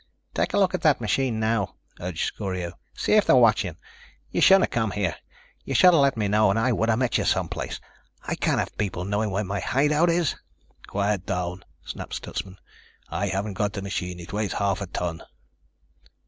"Take a look at that machine now," urged Scorio. "See if they're watching. You shouldn't have come here. You should have let me know and I would have met you some place. I can't have people knowing where my hideout is." "Quiet down," snapped Stutsman. "I haven't got the machine. It weighs half a ton."